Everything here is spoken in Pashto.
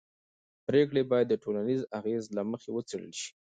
پرېکړې باید د ټولنیز اغېز له مخې وڅېړل شي